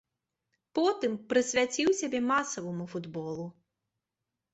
Потым прысвяціў сябе масаваму футболу.